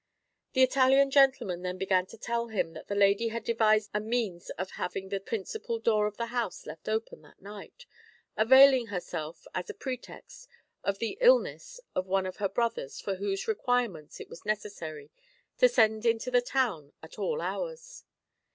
The Italian gentleman then began to tell him that the lady had devised a means of having the principal door of the house left open that night, availing herself as a pretext of the illness of one of her brothers for whose requirements it was necessary to send into the town at all hours.